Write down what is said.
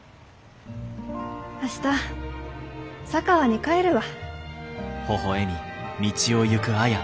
明日佐川に帰るわ。